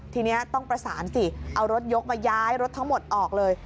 ทีนี้ต้องประสานสิเอารถยกมาย้ายรถทั้งหมดออกเลย